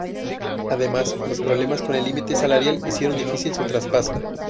Además, los problemas con el límite salarial hicieron difícil su traspaso.